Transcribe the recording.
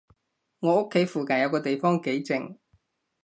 我屋企附近有個地方幾靜